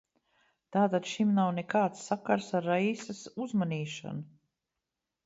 Tātad šim nav nekāds sakars ar Raisas uzmanīšanu?